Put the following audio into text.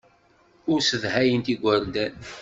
Ur ssedhayent igerdan.